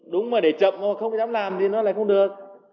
đúng mà để chậm không dám làm thì nó lại không được